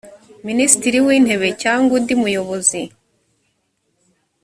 minisitiri w intebe cyangwa undi muyobozi